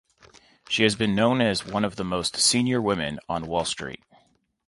She has been known as one of the most senior women on Wall Street.